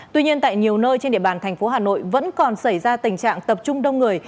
tuy nhiên tại nhiều nơi trên địa bàn thành phố hà nội vẫn còn xảy ra tình trạng tập trung đông người